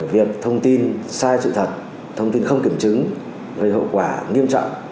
việc thông tin sai sự thật thông tin không kiểm chứng gây hậu quả nghiêm trọng